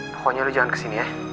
pokoknya udah jangan kesini ya